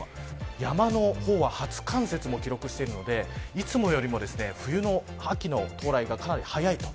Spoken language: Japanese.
山の方は初冠雪も記録しているのでいつもよりも冬の、秋の、到来がかなり早いと。